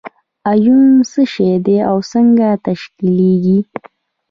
ایون څه شی دی او څنګه تشکیلیږي؟